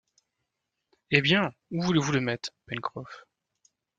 Eh bien, où voulez-vous le mettre, Pencroff